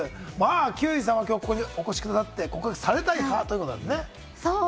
休井さんはここにお越しくださって、告白されたい派ということですね。